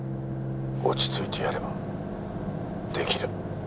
落ち着いてやればできる。